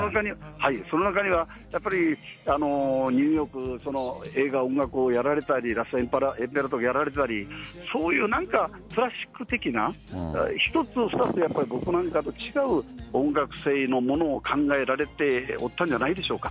その中には、やっぱりニューヨーク、映画音楽をやられたり、ラストエンペラーとかやられたり、そういうなんかクラシック的な、１つ、２つ、やっぱり僕なんかと違う音楽性のものを考えられておったんじゃないでしょうか。